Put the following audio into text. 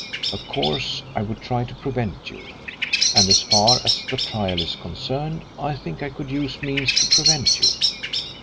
Of course, I would try to prevent you, and as far as the trial is concerned, I think I could use means to prevent you.